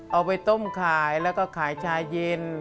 เอาไปต้มขายแล้วก็ขายชาเย็น